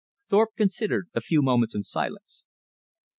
Thorpe considered a few moments in silence.